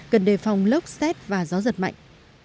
cần đề phòng lốc xét và gió giật mạnh